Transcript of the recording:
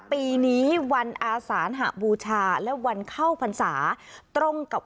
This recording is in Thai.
ปีนี้วันอาสานหบูชาและวันเข้าพรรษาตรงกับ